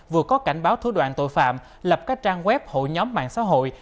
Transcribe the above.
vừa có cảnh báo thủ đoạn tội phạm lập các trang web hội nhóm mạng xã hội